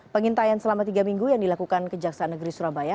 pengintaian selama tiga minggu yang dilakukan kejaksaan negeri surabaya